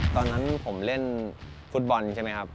ตอนนั้นผมเล่นฟุตบอลใช่ไหมครับ